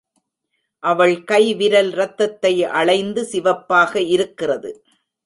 அவள் கைவிரல் ரத்தத்தை அளைந்து சிவப்பாக இருக்கிறது.